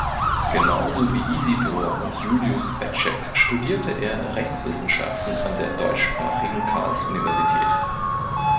Genauso wie Isidor und Julius Petschek studierte er Rechtswissenschaften an der deutschsprachigen Karlsuniversität.